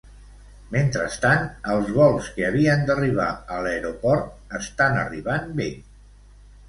Mentrestant, els vols que havien d'arribar a l'Aeroport estan arribant bé.